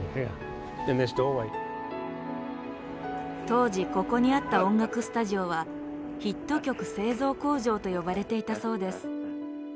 当時ここにあった音楽スタジオはヒット曲製造工場と呼ばれていたそうです。